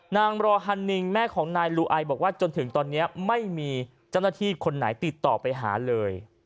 รอฮันนิงแม่ของนายลูไอบอกว่าจนถึงตอนนี้ไม่มีเจ้าหน้าที่คนไหนติดต่อไปหาเลย